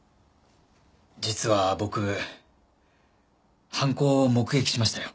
実は僕犯行を目撃しましたよ。